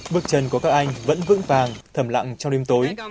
bước chân của các anh vẫn vững vàng thầm lặng trong đêm tối